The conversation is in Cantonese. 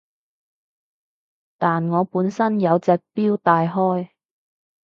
但我本身有隻錶戴開